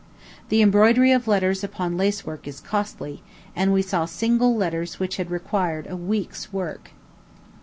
The embroidery of letters upon lacework is costly; and we saw single letters which had required a week's work.